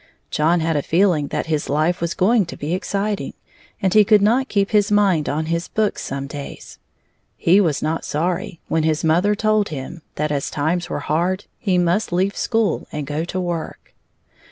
John had a feeling that his life was going to be exciting, and he could not keep his mind on his books some days. He was not sorry when his mother told him that as times were hard, he must leave school and go to work.